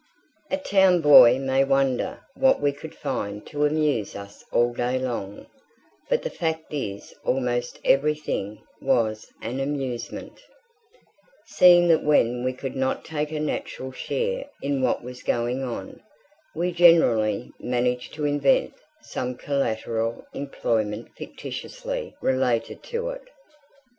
A town boy may wonder what we could find to amuse us all day long; but the fact is almost everything was an amusement, seeing that when we could not take a natural share in what was going on, we generally managed to invent some collateral employment fictitiously related to it.